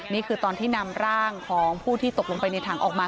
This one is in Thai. นี่คือตอนที่นำร่างของผู้ที่ตกลงไปในถังออกมา